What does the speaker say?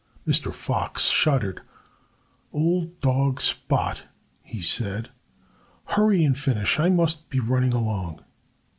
Mr. Fox shuddered. "Old dog Spot!" he said. "Hurry and finish! I must be running along."